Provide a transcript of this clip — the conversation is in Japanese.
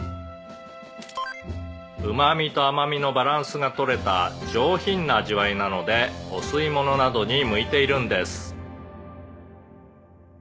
「うまみと甘みのバランスが取れた上品な味わいなのでお吸い物などに向いているんです」